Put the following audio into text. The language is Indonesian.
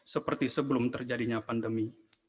seperti sebelum terjadinya pandemi